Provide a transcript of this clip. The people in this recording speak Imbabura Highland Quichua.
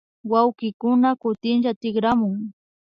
Wawkikuna kutinlla tikramun